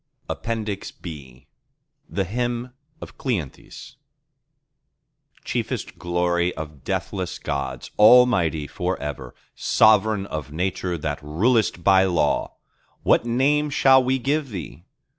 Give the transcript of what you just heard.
(APPENDIX B) The Hymn of Cleanthes Chiefest glory of deathless Gods, Almighty for ever, Sovereign of Nature that rulest by law, what Name shall we give Thee?